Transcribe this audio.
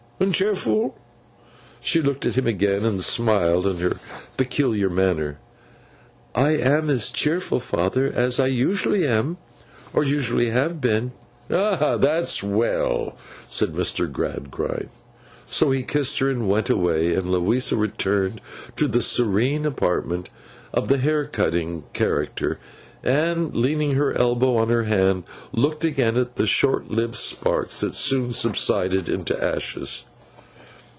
'And cheerful?' She looked at him again, and smiled in her peculiar manner. 'I am as cheerful, father, as I usually am, or usually have been.' 'That's well,' said Mr. Gradgrind. So, he kissed her and went away; and Louisa returned to the serene apartment of the hair cutting character, and leaning her elbow on her hand, looked again at the short lived sparks that so soon subsided into ashes.